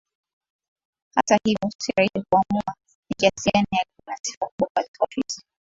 Hata hivyo si rahisi kuamua ni kiasi gani alikuwa na sifa kubwa katika ofisi